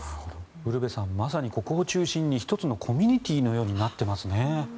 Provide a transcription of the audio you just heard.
ウルヴェさんまさにここを中心に１つのコミュニティーのようになっていますね。